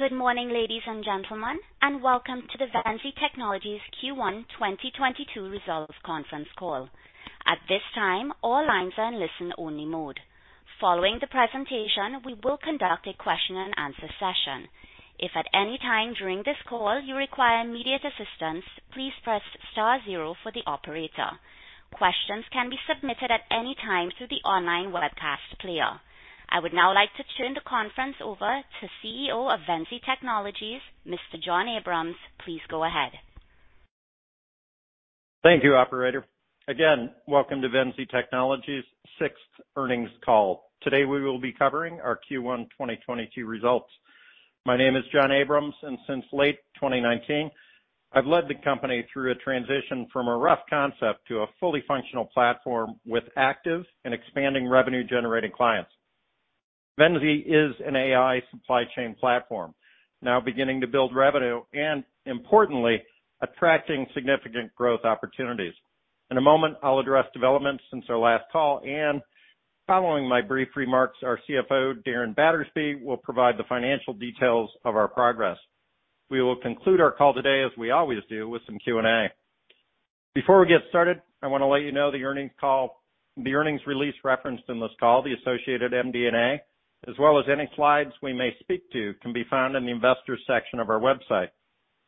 Good morning, ladies and gentlemen, and welcome to the Venzee Technologies Q1 2022 results conference call. At this time, all lines are in listen-only mode. Following the presentation, we will conduct a question-and-answer session. If at any time during this call you require immediate assistance, please press star zero for the operator. Questions can be submitted at any time through the online webcast player. I would now like to turn the conference over to CEO of Venzee Technologies, Mr. John Abrams. Please go ahead. Thank you, operator. Again, welcome to Venzee Technologies sixth earnings call. Today we will be covering our Q1 2022 results. My name is John Abrams, and since late 2019, I've led the company through a transition from a rough concept to a fully functional platform with active and expanding revenue-generating clients. Venzee is an AI supply chain platform now beginning to build revenue and importantly, attracting significant growth opportunities. In a moment, I'll address developments since our last call, and following my brief remarks, our CFO, Darren Battersby, will provide the financial details of our progress. We will conclude our call today, as we always do, with some Q&A. Before we get started, I want to let you know the earnings call, the earnings release referenced in this call, the associated MD&A, as well as any slides we may speak to can be found in the Investors section of our website.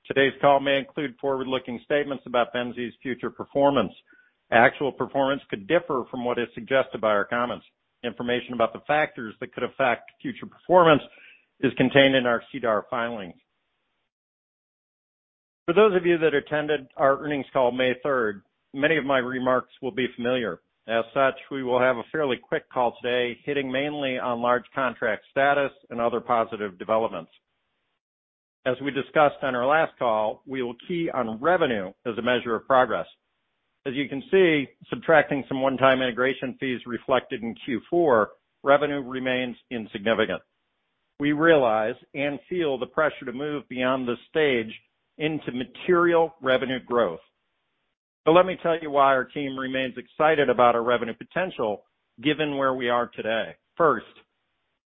Today's call may include forward-looking statements about Venzee's future performance. Actual performance could differ from what is suggested by our comments. Information about the factors that could affect future performance is contained in our SEDAR filings. For those of you that attended our earnings call May 3rd, many of my remarks will be familiar. As such, we will have a fairly quick call today, hitting mainly on large contract status and other positive developments. As we discussed on our last call, we will key on revenue as a measure of progress. As you can see, subtracting some one-time integration fees reflected in Q4, revenue remains insignificant. We realize and feel the pressure to move beyond this stage into material revenue growth. Let me tell you why our team remains excited about our revenue potential given where we are today. First,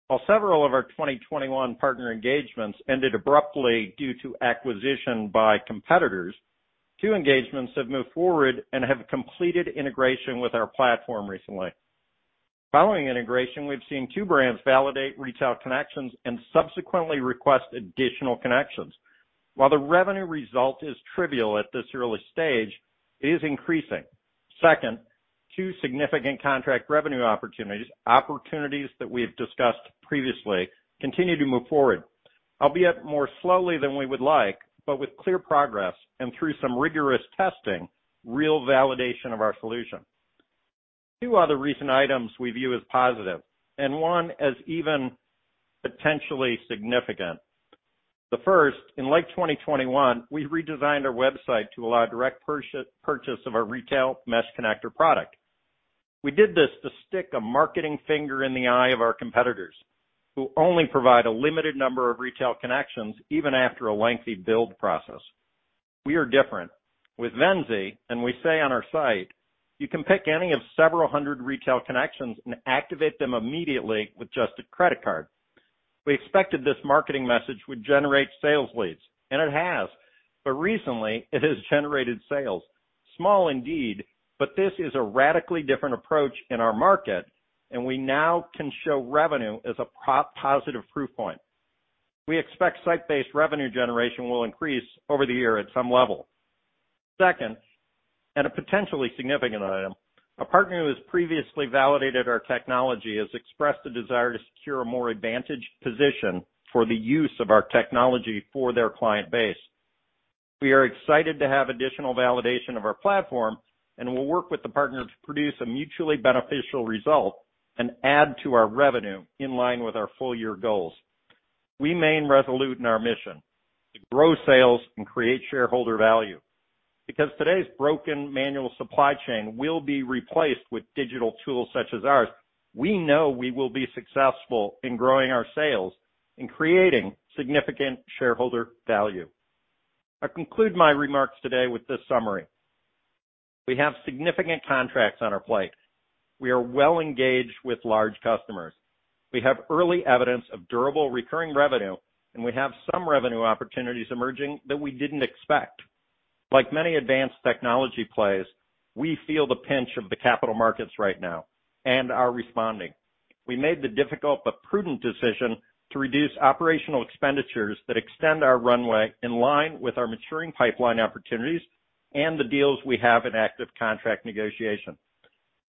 while several of our 2021 partner engagements ended abruptly due to acquisition by competitors, two engagements have moved forward and have completed integration with our platform recently. Following integration, we've seen two brands validate retail connections and subsequently request additional connections. While the revenue result is trivial at this early stage, it is increasing. Second, two significant contract revenue opportunities that we have discussed previously, continue to move forward, albeit more slowly than we would like, but with clear progress and through some rigorous testing, real validation of our solution. Two other recent items we view as positive and one as even potentially significant. The first, in late 2021, we redesigned our website to allow direct purchase of our Retail Mesh Connector™ product. We did this to stick a marketing finger in the eye of our competitors who only provide a limited number of retail connections even after a lengthy build process. We are different. With Venzee, and we say on our site, you can pick any of several hundred retail connections and activate them immediately with just a credit card. We expected this marketing message would generate sales leads, and it has. But recently it has generated sales. Small indeed, but this is a radically different approach in our market, and we now can show revenue as a positive proof point. We expect site-based revenue generation will increase over the year at some level. Second, a potentially significant item, a partner who has previously validated our technology has expressed a desire to secure a more advantaged position for the use of our technology for their client base. We are excited to have additional validation of our platform, and we'll work with the partner to produce a mutually beneficial result and add to our revenue in line with our full year goals. We remain resolute in our mission to grow sales and create shareholder value. Because today's broken manual supply chain will be replaced with digital tools such as ours, we know we will be successful in growing our sales and creating significant shareholder value. I conclude my remarks today with this summary. We have significant contracts on our plate. We are well engaged with large customers. We have early evidence of durable recurring revenue, and we have some revenue opportunities emerging that we didn't expect. Like many advanced technology plays, we feel the pinch of the capital markets right now and are responding. We made the difficult but prudent decision to reduce operational expenditures that extend our runway in line with our maturing pipeline opportunities and the deals we have in active contract negotiation.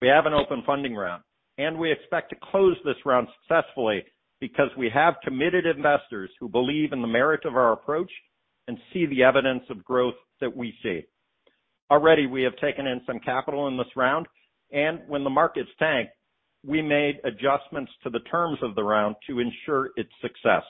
We have an open funding round, and we expect to close this round successfully because we have committed investors who believe in the merit of our approach and see the evidence of growth that we see. Already, we have taken in some capital in this round, and when the markets tanked, we made adjustments to the terms of the round to ensure its success.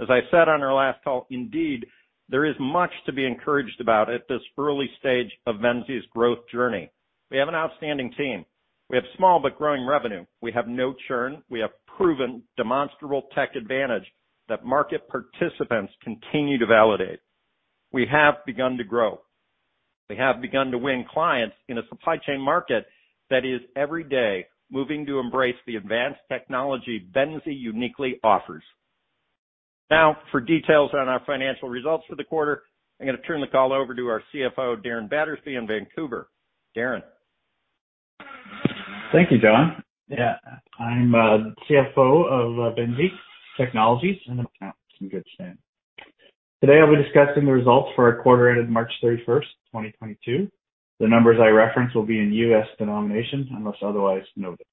As I said on our last call, indeed, there is much to be encouraged about at this early stage of Venzee's growth journey. We have an outstanding team. We have small but growing revenue. We have no churn. We have proven demonstrable tech advantage that market participants continue to validate. We have begun to grow. We have begun to win clients in a supply chain market that is every day moving to embrace the advanced technology Venzee uniquely offers. Now for details on our financial results for the quarter, I'm gonna turn the call over to our CFO, Darren Battersby in Vancouver. Darren. Thank you, John. Yeah, I'm CFO of Venzee Technologies, and the accounts in good standing. Today, I'll be discussing the results for our quarter ended March 31st, 2022. The numbers I reference will be in U.S. dollars unless otherwise noted.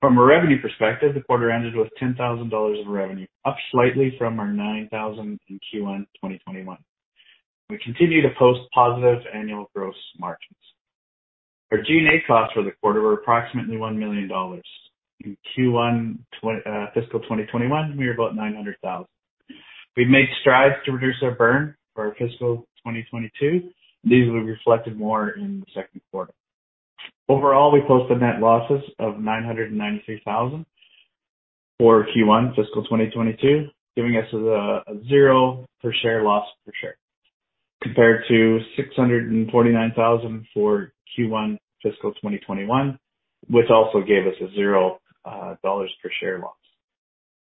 From a revenue perspective, the quarter ended with $10,000 of revenue, up slightly from our $9,000 in Q1 2021. We continue to post positive annual gross margins. Our G&A costs for the quarter were approximately $1 million. In Q1 fiscal 2021, we were about $900,000. We've made strides to reduce our burn for our fiscal 2022. These will be reflected more in the second quarter. Overall, we posted net losses of 993 thousand for Q1 fiscal 2022, giving us a 0 per share loss, compared to 649 thousand for Q1 fiscal 2021, which also gave us a 0 dollars per share loss.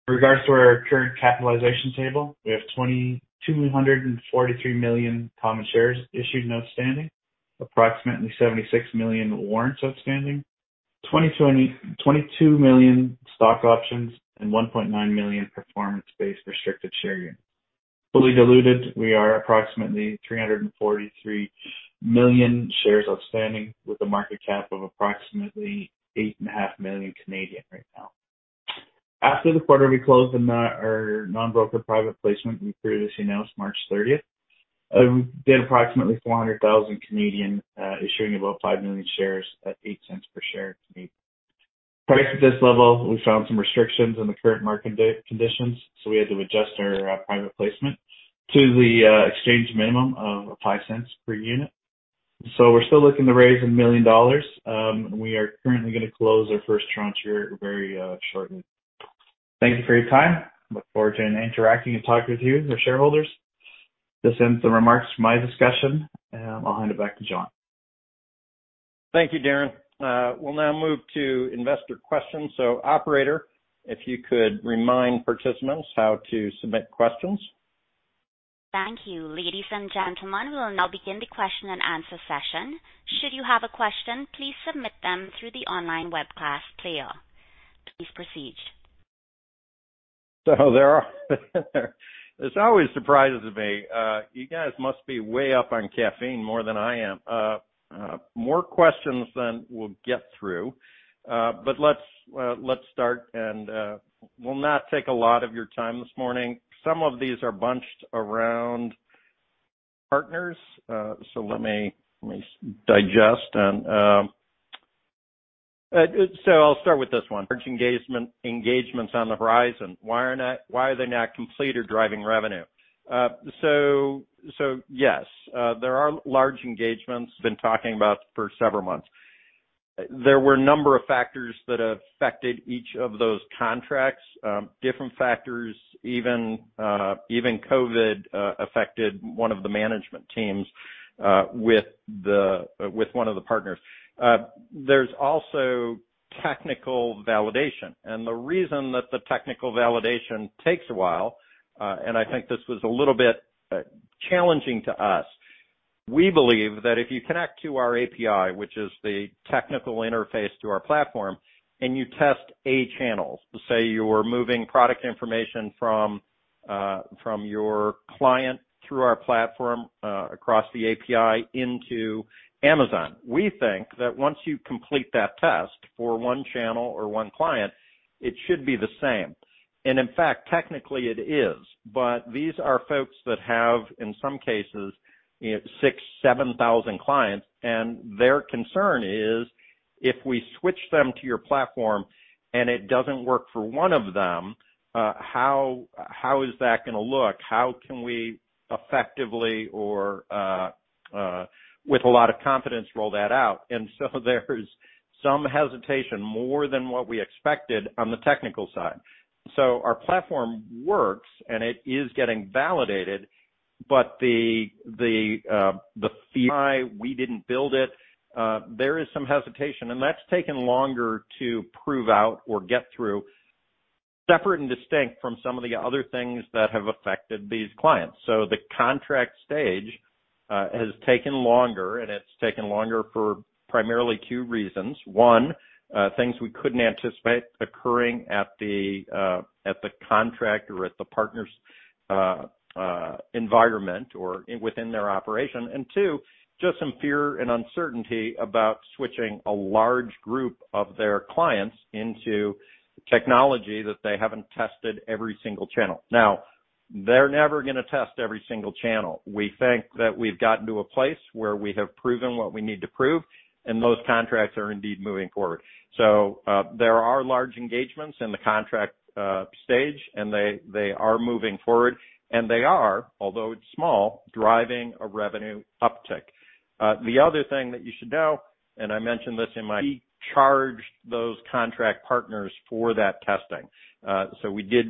In regards to our current capitalization table, we have 2,243 million common shares issued and outstanding, approximately 76 million warrants outstanding, 22 million stock options, and 1.9 million performance-based restricted share units. Fully diluted, we are approximately 343 million shares outstanding with a market cap of approximately 8.5 million Canadian right now. After the quarter, we closed our non-brokered private placement. We previously announced March thirtieth. We did approximately 400,000, issuing about five million shares at 0.08 per share to me. Priced at this level, we found some restrictions in the current market conditions, so we had to adjust our private placement to the exchange minimum of 0.05 per unit. We're still looking to raise 1 million dollars, and we are currently gonna close our first tranche here very shortly. Thank you for your time. Look forward to interacting and talking with you, our shareholders. This ends the remarks for my discussion, and I'll hand it back to John. Thank you, Darren. We'll now move to investor questions. Operator, if you could remind participants how to submit questions. Thank you. Ladies and gentlemen, we will now begin the question and answer session. Should you have a question, please submit them through the online webcast player. Please proceed. There are. This always surprises me. You guys must be way up on caffeine more than I am. More questions than we'll get through. Let's start and will not take a lot of your time this morning. Some of these are bunched around partners. Let me digest. I'll start with this one. Large engagements on the horizon, why are they not complete or driving revenue? Yes, there are large engagements been talking about for several months. There were a number of factors that affected each of those contracts, different factors, even COVID affected one of the management teams with one of the partners. There's also technical validation. The reason that the technical validation takes a while, and I think this was a little bit challenging to us. We believe that if you connect to our API, which is the technical interface to our platform, and you test a channel, say you're moving product information from your client through our platform across the API into Amazon. We think that once you complete that test for one channel or one client, it should be the same. In fact, technically it is. These are folks that have, in some cases, you know, 6-7,000 clients, and their concern is if we switch them to your platform and it doesn't work for one of them, how is that gonna look? How can we effectively with a lot of confidence roll that out? There's some hesitation more than what we expected on the technical side. Our platform works, and it is getting validated, but the FI, we didn't build it. There is some hesitation, and that's taken longer to prove out or get through, separate and distinct from some of the other things that have affected these clients. The contract stage has taken longer, and it's taken longer for primarily two reasons. One, things we couldn't anticipate occurring at the contract or at the partner's environment or within their operation, and two, just some fear and uncertainty about switching a large group of their clients into technology that they haven't tested every single channel. Now, they're never gonna test every single channel. We think that we've gotten to a place where we have proven what we need to prove, and those contracts are indeed moving forward. There are large engagements in the contract stage, and they are moving forward, and they are, although it's small, driving a revenue uptick. The other thing that you should know. We charged those contract partners for that testing. We did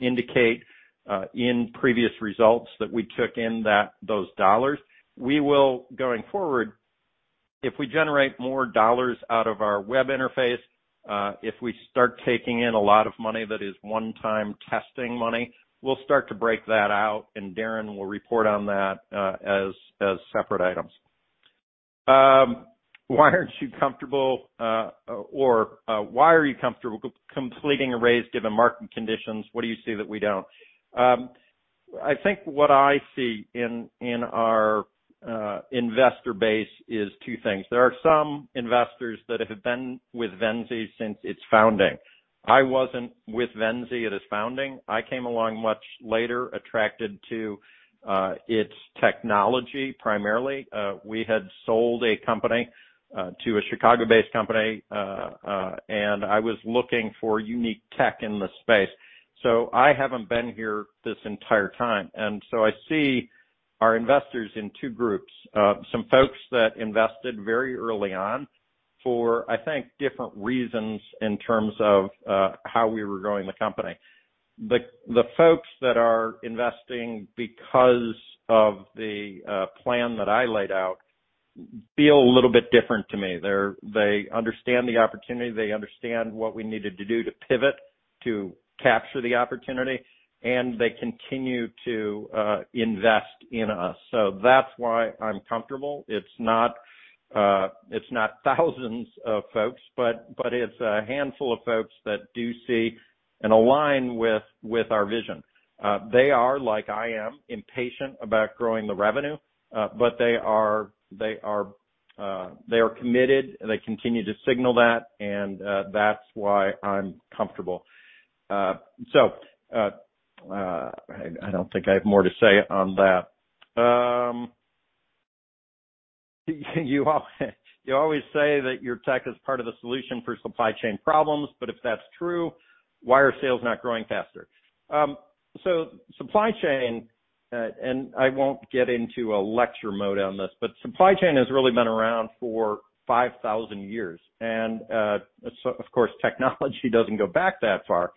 indicate in previous results that we took in those dollars. We will, going forward, if we generate more dollars out of our web interface, if we start taking in a lot of money that is one-time testing money, we'll start to break that out and Darren will report on that, as separate items. Why are you comfortable completing a raise given market conditions? What do you see that we don't? I think what I see in our investor base is two things. There are some investors that have been with Venzee since its founding. I wasn't with Venzee at its founding. I came along much later, attracted to its technology, primarily. We had sold a company to a Chicago-based company, and I was looking for unique tech in the space. I haven't been here this entire time. I see our investors in two groups. Some folks that invested very early on for, I think, different reasons in terms of how we were growing the company. The folks that are investing because of the plan that I laid out feel a little bit different to me. They understand the opportunity, they understand what we needed to do to pivot to capture the opportunity, and they continue to invest in us. That's why I'm comfortable. It's not thousands of folks, but it's a handful of folks that do see and align with our vision. They are, like I am, impatient about growing the revenue, but they are committed, they continue to signal that, and that's why I'm comfortable. I don't think I have more to say on that. You always say that your tech is part of the solution for supply chain problems, but if that's true, why are sales not growing faster? Supply chain, and I won't get into a lecture mode on this, but supply chain has really been around for 5,000 years. Of course, technology doesn't go back that far.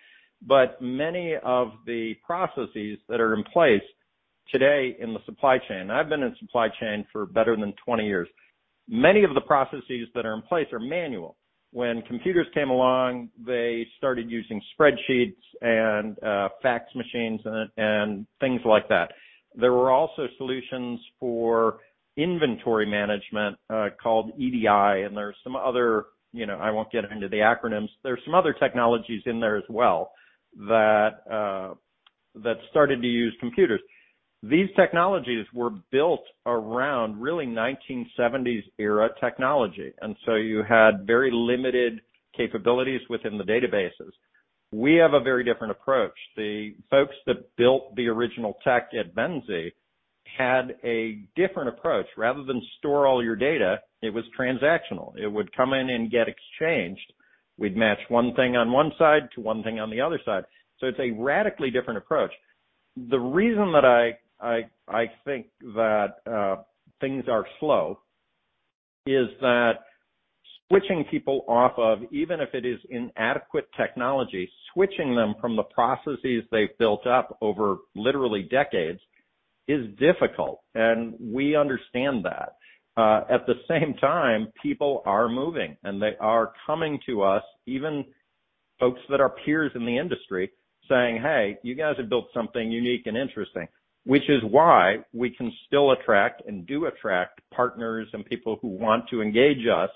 Many of the processes that are in place today in the supply chain. I've been in supply chain for better than 20 years. Many of the processes that are in place are manual. When computers came along, they started using spreadsheets and fax machines and things like that. There were also solutions for inventory management called EDI, and there are some other. You know, I won't get into the acronyms. There are some other technologies in there as well that started to use computers. These technologies were built around really 1970s era technology, and so you had very limited capabilities within the databases. We have a very different approach. The folks that built the original tech at Venzee had a different approach. Rather than store all your data, it was transactional. It would come in and get exchanged. We'd match one thing on one side to one thing on the other side. So it's a radically different approach. The reason that I think that things are slow is that switching people off of even if it is inadequate technology, switching them from the processes they've built up over literally decades is difficult, and we understand that. At the same time, people are moving, and they are coming to us, even folks that are peers in the industry saying, "Hey, you guys have built something unique and interesting." Which is why we can still attract and do attract partners and people who want to engage us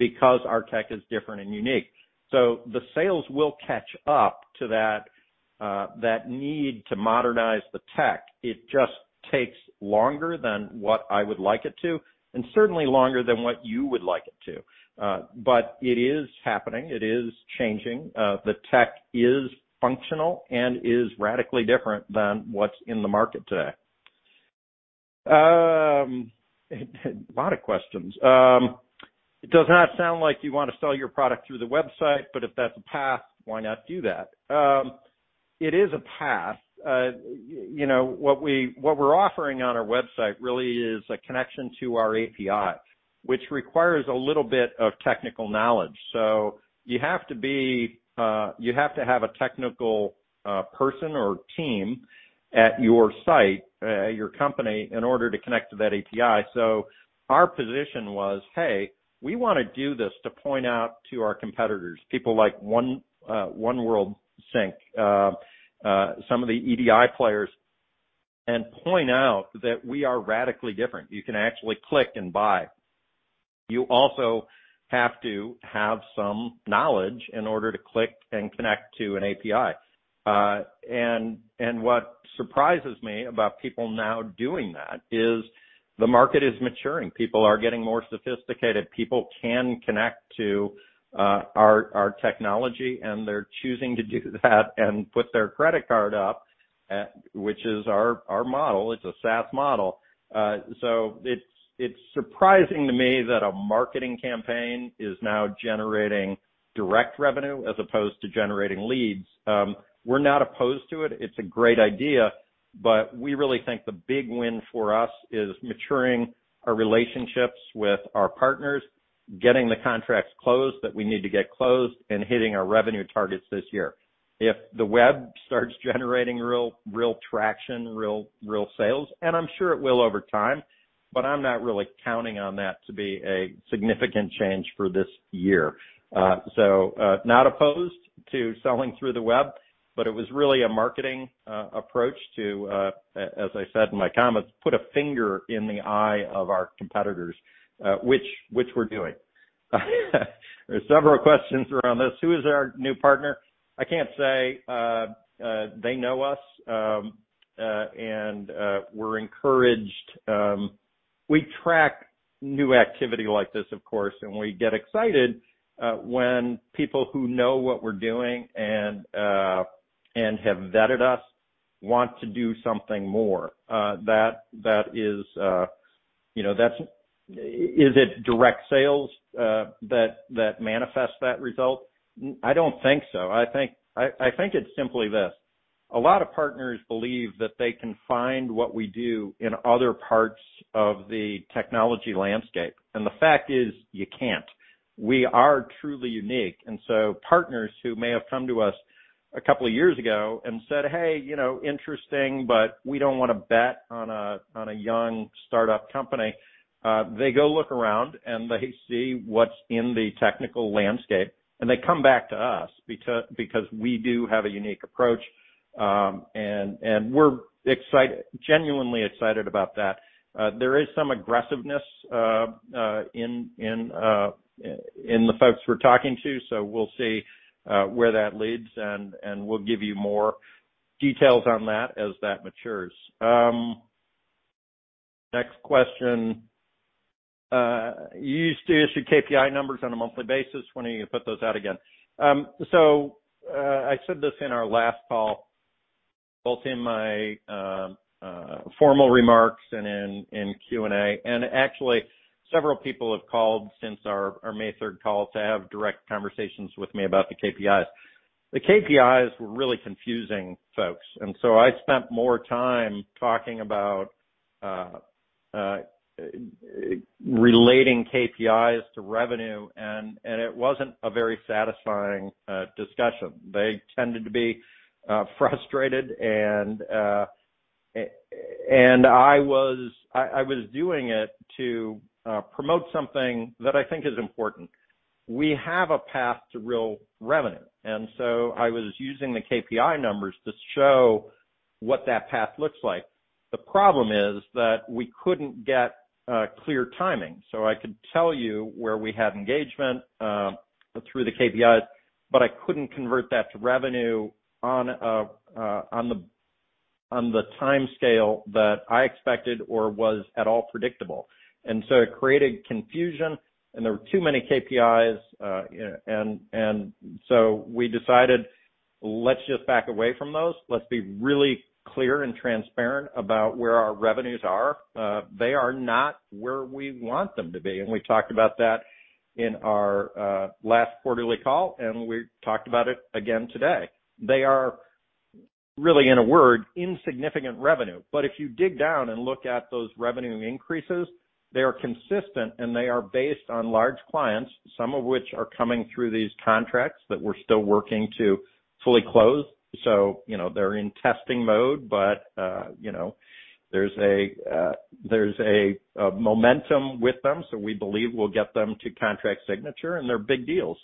because our tech is different and unique. The sales will catch up to that need to modernize the tech. It just takes longer than what I would like it to, and certainly longer than what you would like it to. It is happening. It is changing. The tech is functional and is radically different than what's in the market today. A lot of questions. It does not sound like you wanna sell your product through the website, but if that's a path, why not do that? It is a path. You know, what we're offering on our website really is a connection to our API, which requires a little bit of technical knowledge. You have to have a technical person or team at your site, your company in order to connect to that API. Our position was, hey, we wanna do this to point out to our competitors, people like 1WorldSync, some of the EDI players, and point out that we are radically different. You can actually click and buy. You also have to have some knowledge in order to click and connect to an API. What surprises me about people now doing that is the market is maturing. People are getting more sophisticated. People can connect to our technology, and they're choosing to do that and put their credit card up front, which is our model. It's a SaaS model. It's surprising to me that a marketing campaign is now generating direct revenue as opposed to generating leads. We're not opposed to it. It's a great idea, but we really think the big win for us is maturing our relationships with our partners, getting the contracts closed that we need to get closed and hitting our revenue targets this year. If the web starts generating real traction, real sales, and I'm sure it will over time, but I'm not really counting on that to be a significant change for this year. Not opposed to selling through the web, but it was really a marketing approach to, as I said in my comments, put a finger in the eye of our competitors, which we're doing. There's several questions around this. Who is our new partner? I can't say. They know us, and we're encouraged. We track new activity like this, of course, and we get excited when people who know what we're doing and have vetted us want to do something more. That is, you know, that's. Is it direct sales that manifests that result? I don't think so. I think it's simply this. A lot of partners believe that they can find what we do in other parts of the technology landscape, and the fact is, you can't. We are truly unique. Partners who may have come to us a couple of years ago and said, "Hey, you know, interesting, but we don't wanna bet on a young startup company." They go look around and they see what's in the technical landscape, and they come back to us because we do have a unique approach. We're excited, genuinely excited about that. There is some aggressiveness in the folks we're talking to, so we'll see where that leads, and we'll give you more details on that as that matures. Next question. You used to issue KPI numbers on a monthly basis. When are you gonna put those out again? I said this in our last call, both in my formal remarks and in Q&A. Actually, several people have called since our May t3rd call to have direct conversations with me about the KPIs. The KPIs were really confusing folks, and so I spent more time talking about relating KPIs to revenue, and it wasn't a very satisfying discussion. They tended to be frustrated and I was doing it to promote something that I think is important. We have a path to real revenue. I was using the KPI numbers to show what that path looks like. The problem is that we couldn't get clear timing. I could tell you where we had engagement through the KPIs, but I couldn't convert that to revenue on the timescale that I expected or was at all predictable. It created confusion, and there were too many KPIs, and so we decided, let's just back away from those. Let's be really clear and transparent about where our revenues are. They are not where we want them to be, and we talked about that in our last quarterly call, and we talked about it again today. They are really, in a word, insignificant revenue. If you dig down and look at those revenue increases, they are consistent, and they are based on large clients, some of which are coming through these contracts that we're still working to fully close. You know, they're in testing mode, but you know, there's momentum with them. We believe we'll get them to contract signature, and they're big deals.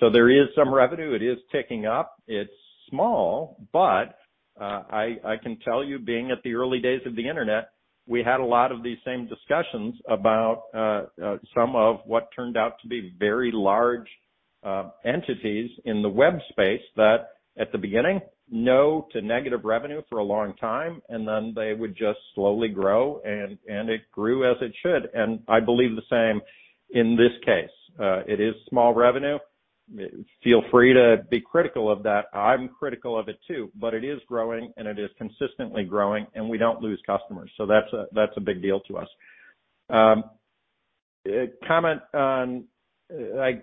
There is some revenue. It is ticking up. It's small, but I can tell you, being at the early days of the internet, we had a lot of these same discussions about some of what turned out to be very large entities in the web space that at the beginning, no to negative revenue for a long time, and then they would just slowly grow and it grew as it should. I believe the same in this case. It is small revenue. Feel free to be critical of that. I'm critical of it too. It is growing, and it is consistently growing, and we don't lose customers. That's a big deal to us. I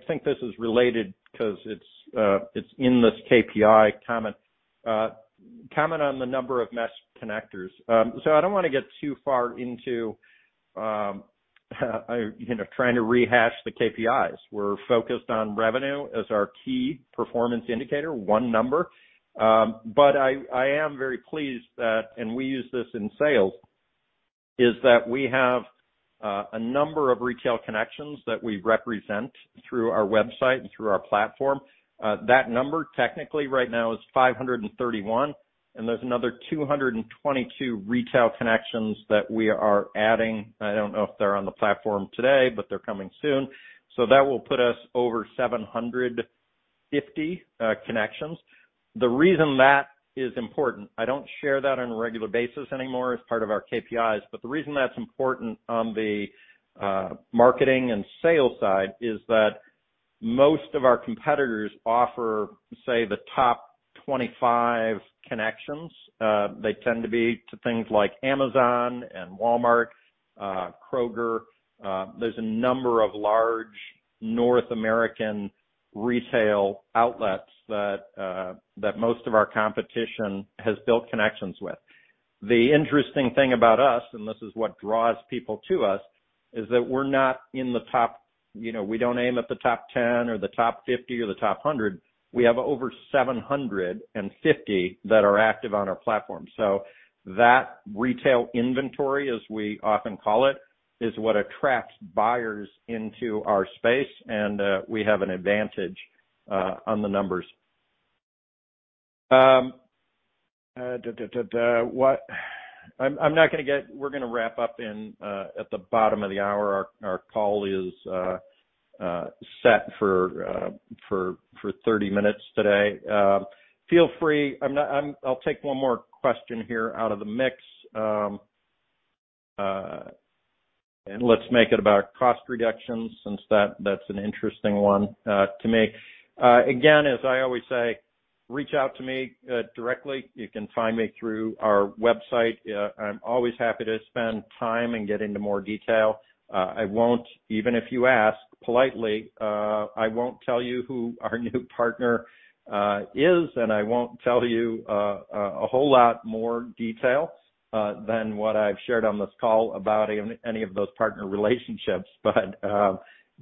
think this is related 'cause it's in this KPI comment. Comment on the number of mesh connectors. I don't wanna get too far into, you know, trying to rehash the KPIs. We're focused on revenue as our key performance indicator, one number. I am very pleased that, and we use this in sales, is that we have a number of retail connections that we represent through our website and through our platform. That number technically right now is 531, and there's another 222 retail connections that we are adding. I don't know if they're on the platform today, but they're coming soon. That will put us over 750 connections. The reason that is important, I don't share that on a regular basis anymore as part of our KPIs, but the reason that's important on the marketing and sales side is that most of our competitors offer, say, the top 25 connections. They tend to be to things like Amazon and Walmart, Kroger. There's a number of large North American retail outlets that most of our competition has built connections with. The interesting thing about us, and this is what draws people to us, is that we're not in the top, you know, we don't aim at the top 10 or the top 50 or the top 100. We have over 750 that are active on our platform. That retail inventory, as we often call it, is what attracts buyers into our space. We have an advantage on the numbers. We're gonna wrap up in at the bottom of the hour. Our call is set for thirty minutes today. I'll take one more question here out of the mix, and let's make it about cost reductions since that's an interesting one to me. Again, as I always say, reach out to me directly. You can find me through our website. I'm always happy to spend time and get into more detail. I won't, even if you ask politely, I won't tell you who our new partner is, and I won't tell you a whole lot more detail than what I've shared on this call about any of those partner relationships.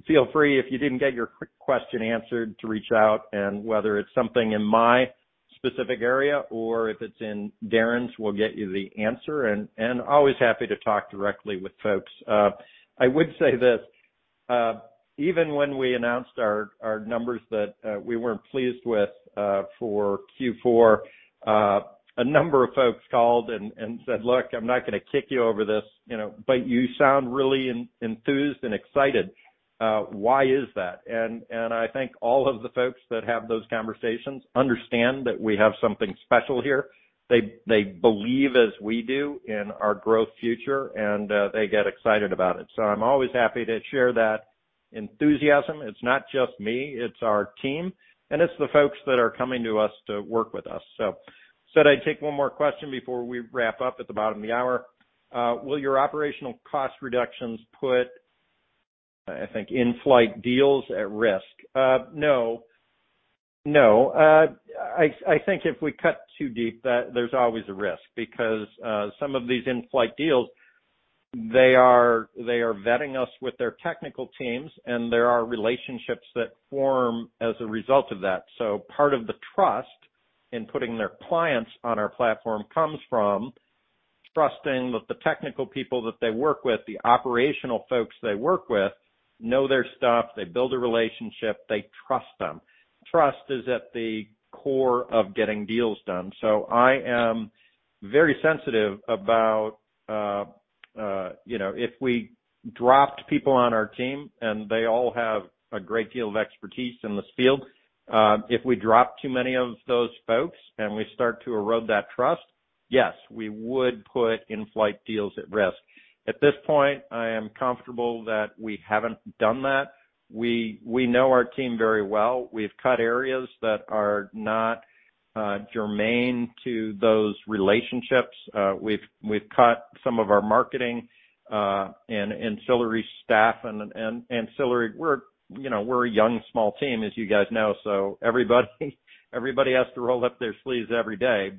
Feel free, if you didn't get your quick question answered, to reach out and whether it's something in my specific area or if it's in Darren's, we'll get you the answer and always happy to talk directly with folks. I would say this, even when we announced our numbers that we weren't pleased with for Q4, a number of folks called and said, "Look, I'm not gonna kick you over this, you know, but you sound really enthused and excited. Why is that? I think all of the folks that have those conversations understand that we have something special here. They believe as we do in our growth future, and they get excited about it. I'm always happy to share that enthusiasm. It's not just me, it's our team, and it's the folks that are coming to us to work with us. I said I'd take one more question before we wrap up at the bottom of the hour. Will your operational cost reductions put, I think, in-flight deals at risk? No. I think if we cut too deep, there's always a risk because some of these in-flight deals, they are vetting us with their technical teams, and there are relationships that form as a result of that. Part of the trust in putting their clients on our platform comes from trusting that the technical people that they work with, the operational folks they work with know their stuff, they build a relationship, they trust them. Trust is at the core of getting deals done. I am very sensitive about you know if we dropped people on our team, and they all have a great deal of expertise in this field, if we drop too many of those folks and we start to erode that trust, yes, we would put in-flight deals at risk. At this point, I am comfortable that we haven't done that. We know our team very well. We've cut areas that are not germane to those relationships. We've cut some of our marketing and ancillary staff and ancillary. We're, you know, a young, small team, as you guys know. Everybody has to roll up their sleeves every day.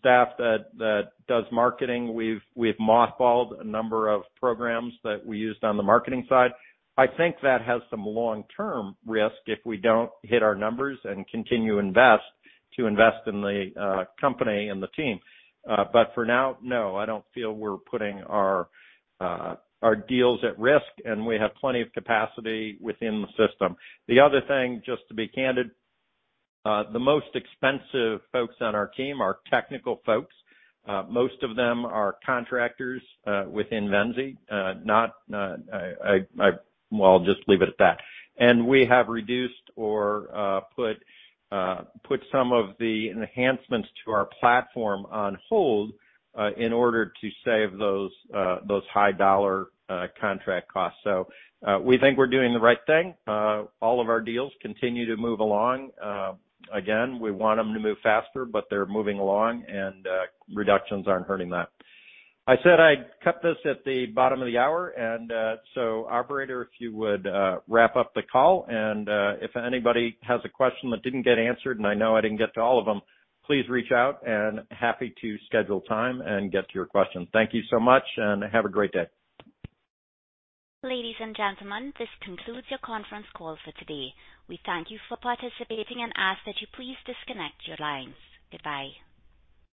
Staff that does marketing, we've mothballed a number of programs that we used on the marketing side. I think that has some long-term risk if we don't hit our numbers and continue to invest in the company and the team. For now, no, I don't feel we're putting our deals at risk, and we have plenty of capacity within the system. The other thing, just to be candid, the most expensive folks on our team are technical folks. Most of them are contractors within Venzee. Well, I'll just leave it at that. We have reduced or put some of the enhancements to our platform on hold in order to save those high dollar contract costs. We think we're doing the right thing. All of our deals continue to move along. Again, we want them to move faster, but they're moving along, and reductions aren't hurting that. I said I'd cut this at the bottom of the hour and operator, if you would wrap up the call. If anybody has a question that didn't get answered, and I know I didn't get to all of them, please reach out, and happy to schedule time and get to your questions. Thank you so much, and have a great day. Ladies and gentlemen, this concludes your conference call for today. We thank you for participating and ask that you please disconnect your lines. Goodbye.